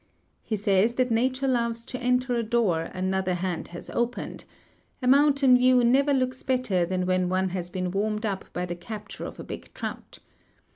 He says that nature loves to enter a door another hand has opened: a mountain view never looks better than when one has been warmed up by the capture of a big trout.